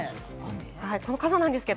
この傘なんですが。